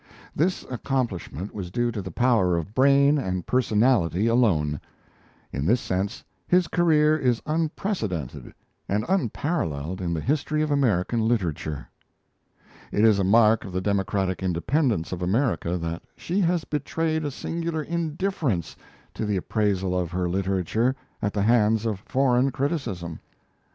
This accomplishment was due to the power of brain and personality alone. In this sense, his career is unprecedented and unparalleled in the history of American literature. It is a mark of the democratic independence of America that she has betrayed a singular indifference to the appraisal of her literature at the hands of foreign criticism.